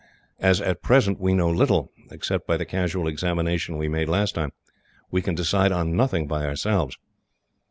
As at present we know little, except by the casual examination we made last time, we can decide on nothing by ourselves."